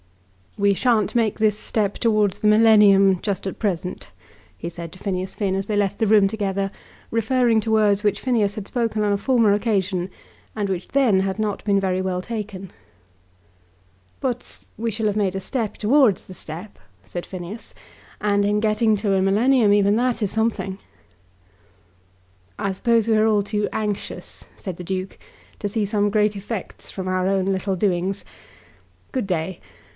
"We shan't make this step towards the millennium just at present," he said to Phineas Finn as they left the room together, referring to words which Phineas had spoken on a former occasion, and which then had not been very well taken. "But we shall have made a step towards the step," said Phineas, "and in getting to a millennium even that is something." "I suppose we are all too anxious," said the Duke, "to see some great effects come from our own little doings. Good day.